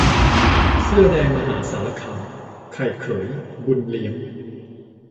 เสื้อแดงมหาสารคาม 'ไข่เขย-บุญเลี้ยง'